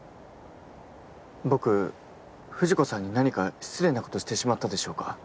僕藤子さんに何か失礼なことしてしまったでしょうか？